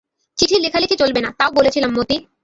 চিঠি লেখালেখি চলবে না, তাও বলেছিলাম মতি।